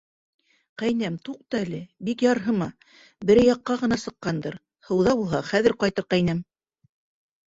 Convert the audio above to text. — Ҡәйнәм, туҡта әле, бик ярһыма, берәй яҡҡа ғына сыҡҡандыр, һыуҙа булһа, хәҙер ҡайтыр, ҡәйнәм!